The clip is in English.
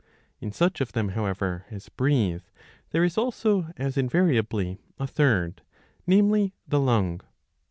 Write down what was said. In such of them, however, as breathe, there is also as invariably a third, namely the lung.